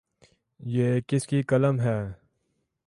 یہ کس کی قلم ہے ؟